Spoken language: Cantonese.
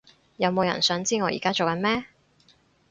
有冇人想知我而家做緊咩？